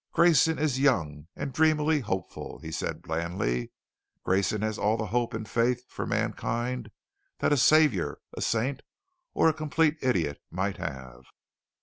"Grayson is young and dreamily hopeful," he said blandly. "Grayson has all of the hope and faith for mankind that a Saviour, a Saint, or a complete idiot might have.